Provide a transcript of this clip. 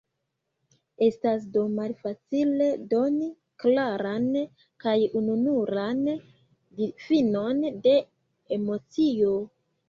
Estas do malfacile doni klaran kaj ununuran difinon de emocio.